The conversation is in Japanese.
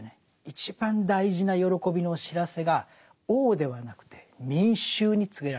一番大事な喜びの知らせが王ではなくて民衆に告げられた。